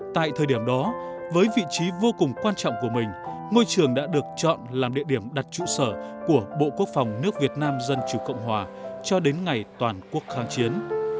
tại thời điểm đó với vị trí vô cùng quan trọng của mình ngôi trường đã được chọn làm địa điểm đặt trụ sở của bộ quốc phòng nước việt nam dân chủ cộng hòa cho đến ngày toàn quốc kháng chiến